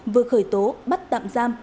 vừa khởi tố bắt tạm giam